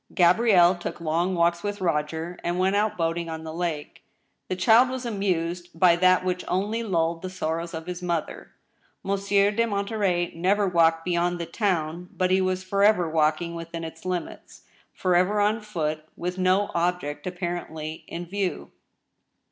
Gabrielle took long walks with Rog^r, and went out boating on the lake. The child was amused by that which only lulled the sor rows of his mother. Monsieur de Monterey never walked beyond the town, but he was forever walking within its limits — ^forever on foot, with no ob ject apparently in view.